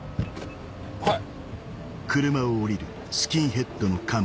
はい。